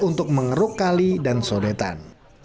untuk mengeruk kali dan sodetan